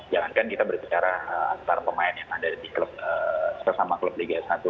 jangankan kita berbicara antara pemain yang ada di klub sesama klub liga satu